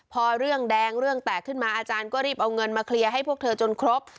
พอเรื่องแดงเรื่องแตกขึ้นมาอาจารย์ก็รีบเอาเงินมาเคลียร์ให้พวกเธอจนครบ